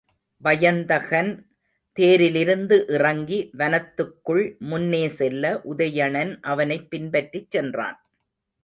வயந்தகன் தேரிலிருந்து இறங்கி வனத்துக்குள் முன்னே செல்ல, உதயணன் அவனைப் பின்பற்றிச் சென்றான்.